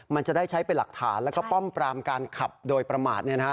มันจะได้ใช้เป็นหลักฐานแล้วก็ป้อมปรามการขับโดยประมาท